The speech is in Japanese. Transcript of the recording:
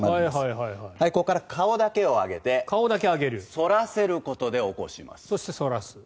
ここから顔だけを上げて反らせることで起こします。